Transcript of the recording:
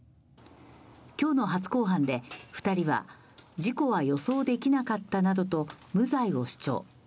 今日の初公判で２人は、事故は予想できなかったなどと無罪を主張。